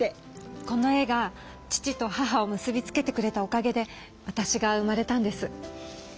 この絵が父と母を結び付けてくれたおかげでわたしが生まれたんです。